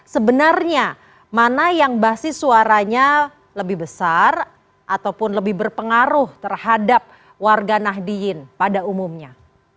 sebenarnya mana yang basis suaranya lebih besar ataupun lebih berpengaruh terhadap warga nahdiyin pada umumnya